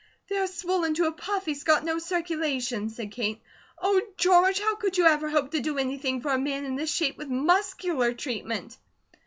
"They are swollen to a puff, he's got no circulation," said Kate. "Oh, George, how could you ever hope to do anything for a man in this shape, with MUSCULAR treatment?"